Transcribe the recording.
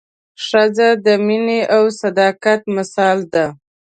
ښځه د مینې او صداقت مثال ده.